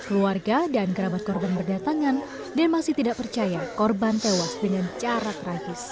keluarga dan kerabat korban berdatangan dan masih tidak percaya korban tewas dengan cara tragis